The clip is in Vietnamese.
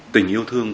tình yêu thương